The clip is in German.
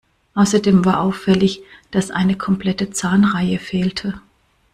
Außerdem war auffällig, dass eine komplette Zahnreihe fehlte.